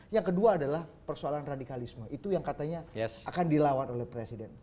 yang kedua adalah persoalan radikalisme itu yang katanya akan dilawan oleh presiden